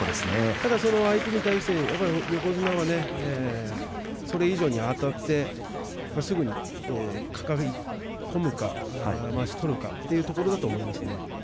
ただその相手に対して横綱はそれ以上にあたってすぐに抱え込むかまわしを取るかというところだと思いますね。